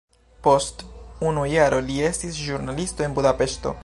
Post unu jaro li estis ĵurnalisto en Budapeŝto.